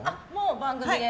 番組で。